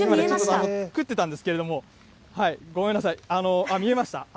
食ってたんですけれども、ごめんなさい、見えました？